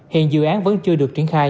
hiện dự án vẫn chưa được triển khai